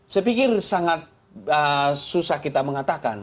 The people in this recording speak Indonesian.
saya pikir sangat susah kita mengatakan